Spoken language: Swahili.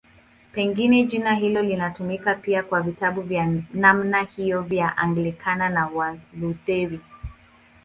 Pengine jina hilo linatumika pia kwa vitabu vya namna hiyo vya Anglikana na Walutheri.